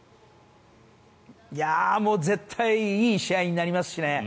もう絶対いい試合になりますね。